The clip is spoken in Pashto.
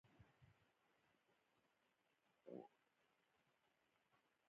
رومیان د سحري لپاره هم کارېږي